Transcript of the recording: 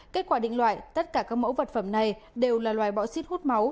kết quả định loại tất cả các mẫu vật phẩm này đều là loài bọ xít hút máu